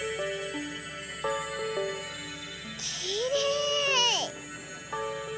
きれい！